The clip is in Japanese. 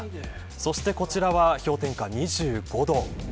そしてこちらは氷点下２５度。